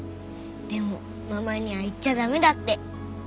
でもママには言っちゃ駄目だって。